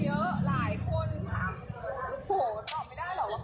เขาจะมายืนดูนิดจังหวะเขารวม